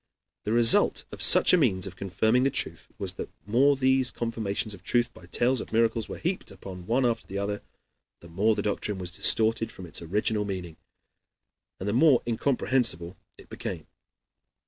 The result of such a means of confirming the truth was that the more these confirmations of truth by tales of miracles were heaped up one after another, the more the doctrine was distorted from its original meaning, aid the more incomprehensible it became.